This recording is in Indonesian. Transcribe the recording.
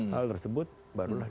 hal tersebut barulah